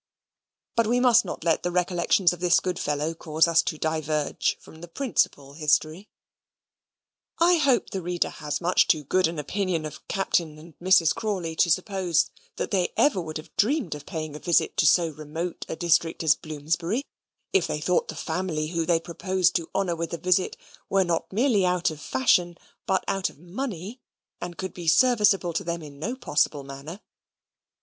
But we must not let the recollections of this good fellow cause us to diverge from the principal history. I hope the reader has much too good an opinion of Captain and Mrs. Crawley to suppose that they ever would have dreamed of paying a visit to so remote a district as Bloomsbury, if they thought the family whom they proposed to honour with a visit were not merely out of fashion, but out of money, and could be serviceable to them in no possible manner.